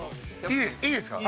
いいですか？